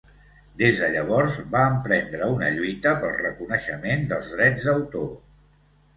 Des de llavors va emprendre una lluita pel reconeixement dels drets d'autor.